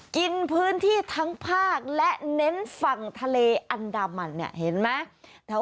กินพื้นที่ทั้งภาคและเน้นฝั่งทะเลอันดามันเนี่ยเห็นไหม